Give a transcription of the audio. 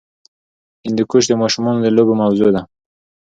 هندوکش د ماشومانو د لوبو موضوع ده.